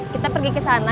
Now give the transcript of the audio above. kita pergi kesana